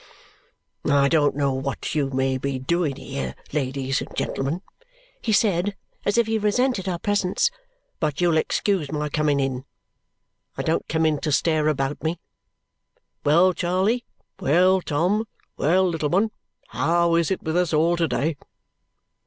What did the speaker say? "I don't know what you may be doing here, ladies and gentlemen," he said, as if he resented our presence, "but you'll excuse my coming in. I don't come in to stare about me. Well, Charley! Well, Tom! Well, little one! How is it with us all to day?"